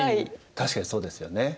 確かにそうですよね。